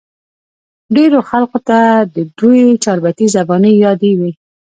ډېرو خلقو ته د دوي چاربېتې زباني يادې وې